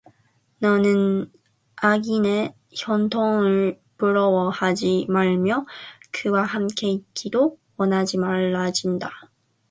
너는 악인의 형통을 부러워하지 말며 그와 함께 있기도 원하지 말지어다